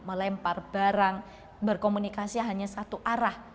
melempar barang berkomunikasi hanya satu arah